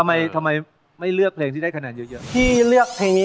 แล้วทำไมไม่เลือกเพลงที่ได้คะแนนเยอะ